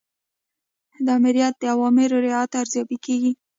د آمریت د اوامرو رعایت ارزیابي کیږي.